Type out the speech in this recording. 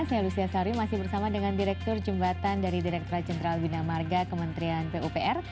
saya lucia sarwi masih bersama dengan direktur jembatan dari direkturat jenderal bina marga kementerian pupr